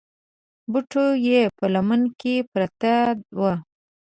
بټوه يې په لمن کې پرته وه.